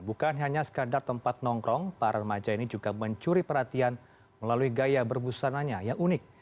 bukan hanya sekadar tempat nongkrong para remaja ini juga mencuri perhatian melalui gaya berbusananya yang unik